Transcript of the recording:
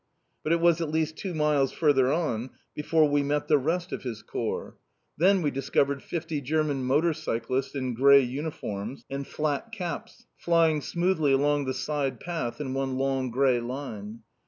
But it was at least two miles further on before we met the rest of his corps. Then we discovered fifty German motor cyclists, in grey uniforms, and flat caps, flying smoothly along the side path in one long grey line.